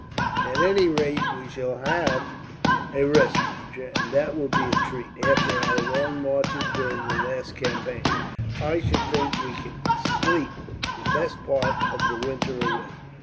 "At any rate, we shall have a rest, major; and that will be a treat, after our long marches during the last campaign. I should think that we can sleep the best part of the winter away."